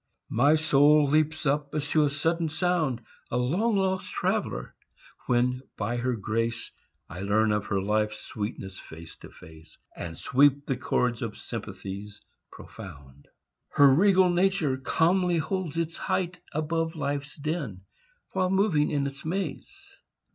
My soul leaps up, as to a sudden sound A long lost traveller, when, by her grace, I learn of her life's sweetness face to face, And sweep the chords of sympathies profound. Her regal nature calmly holds its height Above life's din, while moving in its maze.